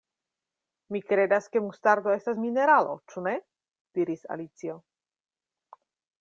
"Mi kredas ke mustardo estas mineralo, ĉu ne?" diris Alicio.